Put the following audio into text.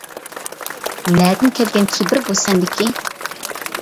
نەدىن كەلگەن كىبىر بۇ سەندىكى؟ !